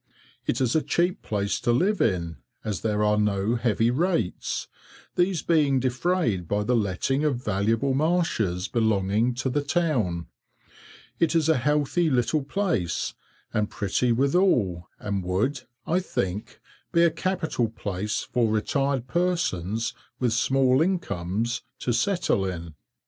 It is a cheap place to live in, as there are no heavy rates, these being defrayed by the letting of valuable marshes belonging to the town. It is a healthy little place, and pretty withal, and would, I think, be a capital place for retired persons with small incomes to settle in.